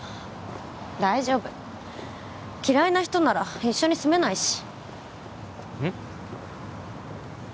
大丈夫嫌いな人なら一緒に住めないしうん？